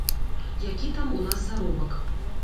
Які там у нас заробак.